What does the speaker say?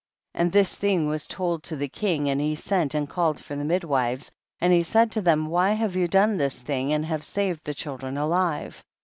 28. And this thing was told to the king, and he sent and called for the midwives and he said to them, why have you done this thing and have saved the children alive